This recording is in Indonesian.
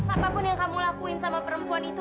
apapun yang kamu lakuin sama perempuan itu